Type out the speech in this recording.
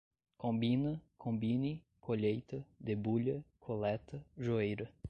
combina, combine, colheita, debulha, coleta, joeira